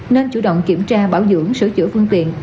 nên chủ động kiểm tra bảo dưỡng sửa chữa phương tiện